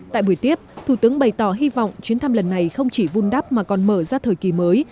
tại buổi tiếp thủ tướng bày tỏ hy vọng chuyến thăm lần này không chỉ vun đắp mà còn mở ra thời kỳ mới